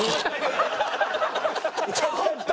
ちょっと！